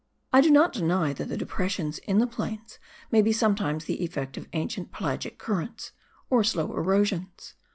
I do not deny that the depressions in the plains may be sometimes the effect of ancient pelagic currents, or slow erosions.